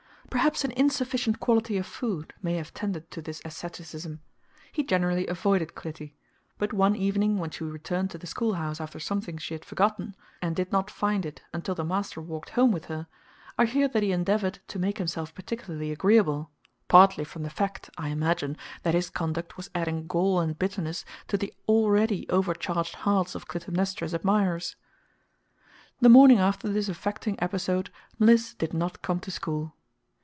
Perhaps an insufficient quality of food may have tended to this asceticism. He generally avoided Clytie; but one evening, when she returned to the schoolhouse after something she had forgotten, and did not find it until the master walked home with her, I hear that he endeavored to make himself particularly agreeable partly from the fact, I imagine, that his conduct was adding gall and bitterness to the already overcharged hearts of Clytemnestra's admirers. The morning after this affecting episode Mliss did not come to school.